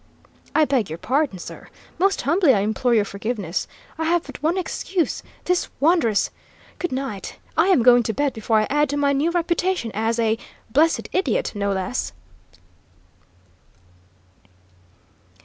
"I beg your pardon, sir; most humbly I implore your forgiveness. I have but one excuse this wondrous Good night! I'm going to bed before I add to my new reputation as a blessed idiot, no less!"